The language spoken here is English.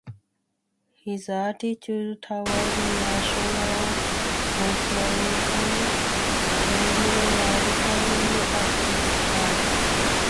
His attitude towards National Socialism changed radically at this time.